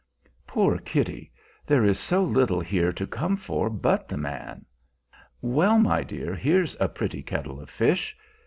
Poor Kitty! There is so little here to come for but the man. Well, my dear, here's a pretty kettle of fish!